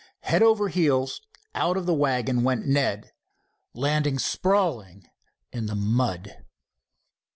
Head over heels out of the wagon went Ned, landing sprawling in the mud.